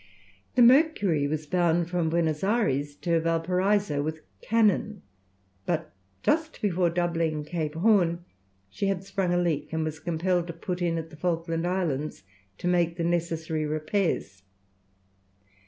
The Mercury was bound from Buenos Ayres to Valparaiso with cannon, but just before doubling Cape Horn she had sprung a leak, and was compelled to put in at the Falkland Islands to make the necessary repairs.